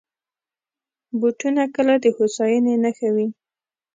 بوټونه کله د هوساینې نښه وي.